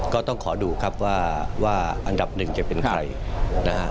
ก็ต้องขอดูครับว่าอันดับหนึ่งจะเป็นใครนะฮะ